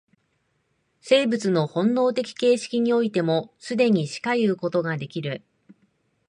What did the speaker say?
生物の本能的形成においても、既にしかいうことができる。